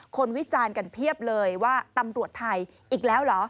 วิจารณ์กันเพียบเลยว่าตำรวจไทยอีกแล้วเหรอ